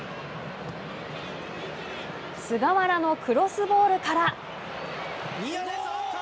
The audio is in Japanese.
菅原のクロスボールから。